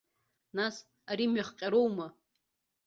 Нас, ари мҩахҟьароума?